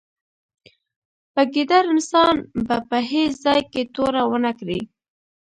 په ګیدړ انسان به په هېڅ ځای کې توره و نه کړې.